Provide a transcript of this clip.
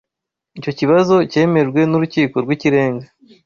Icyo kibazo cyemejwe n'Urukiko rw'Ikirenga.